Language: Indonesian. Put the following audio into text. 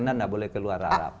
dan tidak boleh keluar arab